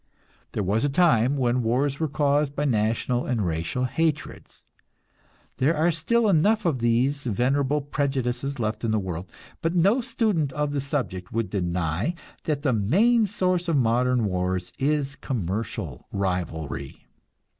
There was a time when wars were caused by national and racial hatreds. There are still enough of these venerable prejudices left in the world, but no student of the subject would deny that the main source of modern wars is commercial rivalry.